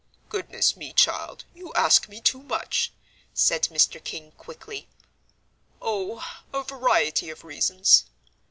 "Goodness me, child, you ask me too much," said Mr. King, quickly; "oh, a variety of reasons.